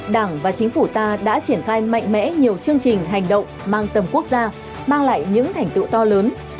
đảng và chính phủ ta đã triển khai mạnh mẽ nhiều chương trình hành động mang tầm quốc gia mang lại những thành tựu to lớn